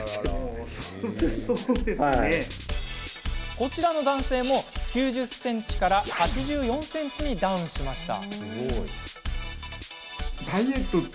こちらの男性も、９０ｃｍから８４ｃｍにダウンしました。